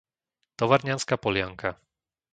Tovarnianska Polianka